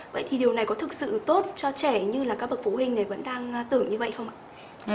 vậy thì điều này có thực sự tốt cho trẻ như là các bậc phụ huynh này vẫn đang tử như vậy không ạ